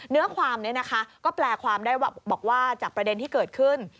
เนื้อความนี้นะคะก็แปลความได้บอกว่าจากประเด็นที่เกิดขึ้น